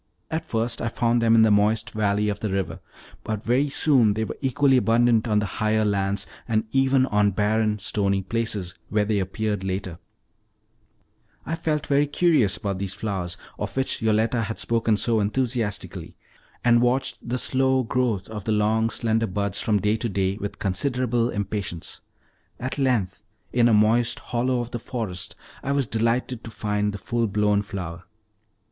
At first I found them in the moist valley of the river, but very soon they were equally abundant on the higher lands, and even on barren, stony places, where they appeared latest. I felt very curious about these flowers, of which Yoletta had spoken so enthusiastically, and watched the slow growth of the long, slender buds from day to day with considerable impatience. At length, in a moist hollow of the forest, I was delighted to find the full blown flower.